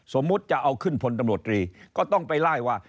สมมุติจะเอาขึ้นพลตำรวจตรีก็ต้องไปไล่ว่า